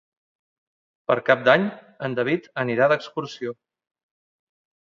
Per Cap d'Any en David anirà d'excursió.